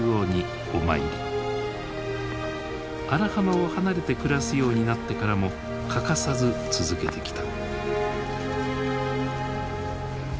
荒浜を離れて暮らすようになってからも欠かさず続けてきた。